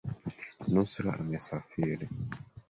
Nusra amesafiri